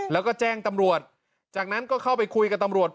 แล้วก็แจ้งตำรวจจากนั้นก็เข้าไปคุยกับตำรวจ